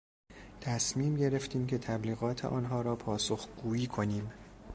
تصمیم گرفتیم که تبلیغات آنها را پاسخگویی کنیم.